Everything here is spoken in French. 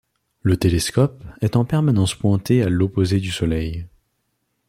Le télescope est en permanence pointé à l'opposé du Soleil.